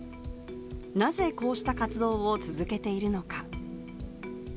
なぜこうした活動を続けているのか。